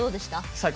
最高！